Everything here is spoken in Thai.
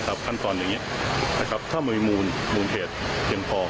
ขั้นตอนอย่างนี้ถ้ามันมูลเทศอย่างพอ